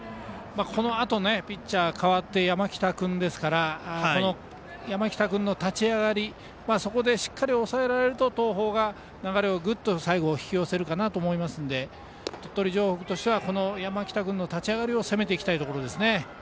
このあと、ピッチャーが代わって山北君の立ち上がりでしっかりと抑えられると東邦が、流れをグッと最後引き寄せるかと思いますので鳥取城北としては山北君の立ち上がりを攻めていきたいところですね。